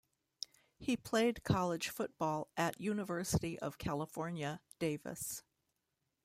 He played college football at University of California, Davis.